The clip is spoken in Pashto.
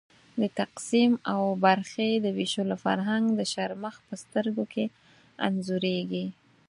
د تقسیم او برخې د وېشلو فرهنګ د شرمښ په سترګو کې انځورېږي.